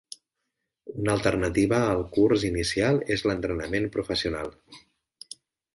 Una alternativa al curs inicial és el l'entrenament professional.